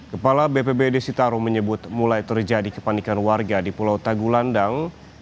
kepala bpbd citaro menyebut mulai terjadi kepanikan warga di pulau tagulandang